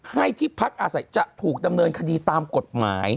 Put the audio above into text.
ให้ที่พักอาศัยจะถูกดำเนินคดีตามกฎหมาย